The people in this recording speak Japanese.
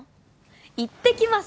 行ってきます